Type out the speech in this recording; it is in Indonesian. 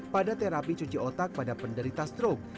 pada terapi cuci otak pada penderita stroke